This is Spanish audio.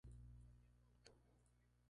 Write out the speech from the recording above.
Obtuvo el tercer lugar.